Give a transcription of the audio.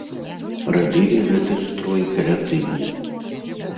Рабілі гэты строй каля тыдня.